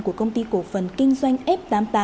của công ty cổ phần kinh doanh f tám mươi tám